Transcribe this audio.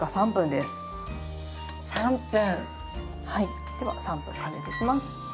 では３分加熱します。